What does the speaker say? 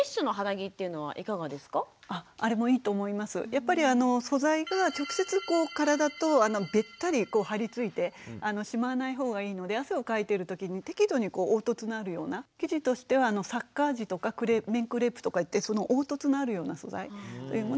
やっぱりあの素材が直接体とべったり張り付いてしまわない方がいいので汗をかいてる時に適度に凹凸のあるような生地としてはサッカー地とか綿クレープとかいって凹凸のあるような素材というものがいいと思います。